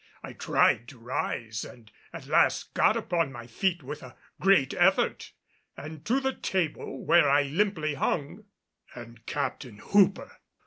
I tried to rise and at last got upon my feet with a great effort, and to the table, where I limply hung. And Captain Hooper!